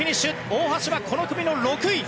大橋はこの組の６位。